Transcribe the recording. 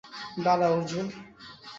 দাঁড়া, অর্জুন।